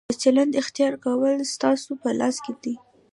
د چلند اختیار کول ستاسو په لاس کې دي.